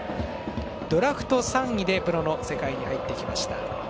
ドラフト３位でプロの世界に入ってきました。